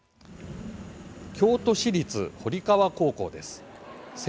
京都市立堀川高校です。